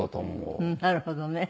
なるほどね。